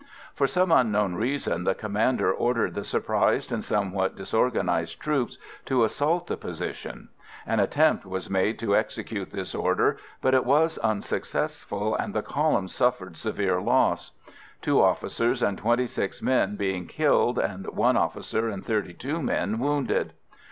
For some unknown reason the commander ordered the surprised and somewhat disorganised troops to assault the position. An attempt was made to execute this order, but it was unsuccessful, and the column suffered severe loss, two officers and twenty six men being killed, and one officer and thirty two men wounded.